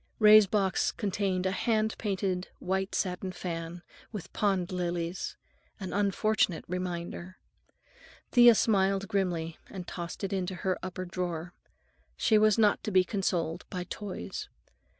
Ray's box contained a hand painted white satin fan, with pond lilies—an unfortunate reminder. Thea smiled grimly and tossed it into her upper drawer. She was not to be consoled by toys.